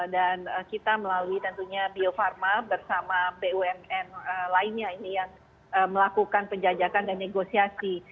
dan kita melalui tentunya bio farma bersama bumn lainnya ini yang melakukan penjajakan dan negosiasi